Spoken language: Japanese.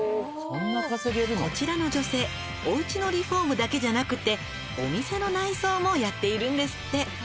「こちらの女性おうちのリフォームだけじゃなくてお店の内装もやっているんですって」